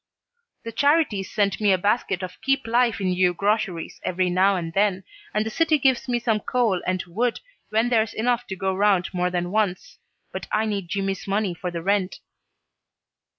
The Charities sends me a basket of keep life in you groceries every now and then, and the city gives me some coal and wood when there's enough to go round more than once, but I need Jimmy's money for the rent."